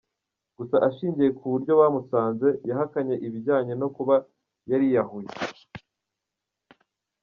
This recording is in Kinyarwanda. Gusa ashingiye ku buryo bamusanze, yahakanye ibijyanye no kuba yariyahuye.